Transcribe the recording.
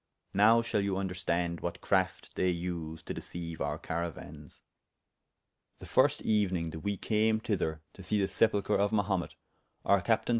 Now shall you vnderstande what crafte they vsed to deceyue our carauans. The first euening that we came thyther to see the sepulchre of Mahumet, our captayne [p.